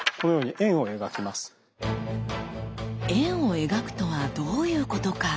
円を描くとはどういうことか。